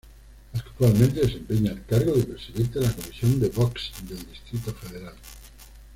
Actualmente desempeña el cargo de Presidente de la Comisión de Box del Distrito Federal.